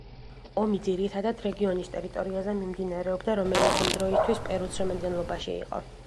ომი ძირითადად რეგიონის ტერიტორიაზე მიმდინარეობდა, რომელიც იმ დროისთვის პერუს შემადგენლობაში იყო.